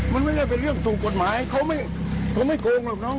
มันไม่ได้เป็นเรื่องถูกกฎหมายเขาไม่โกงหรอกน้อง